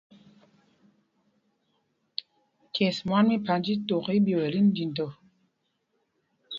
Ces mwân mí Panjtítok í í ɓyɛl tí ndindɔ.